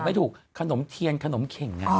ขนมไหว้พระจันตอนนี้เกี่ยวไหมขนมไหว้พระจันตอนนี้เกี่ยวไหม